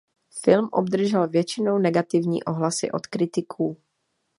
Film obdržel většinou negativní ohlasy od kritiků.